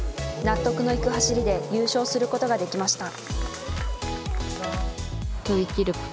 納得のいく走りで優勝することができました。